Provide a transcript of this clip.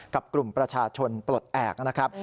กับกลุ่มประชาชนปลดแอบนะครับ